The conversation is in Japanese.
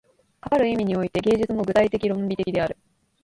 かかる意味において、芸術も具体的論理的である。